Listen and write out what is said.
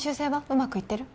うまくいってる？